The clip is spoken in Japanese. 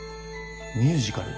ミュージカル？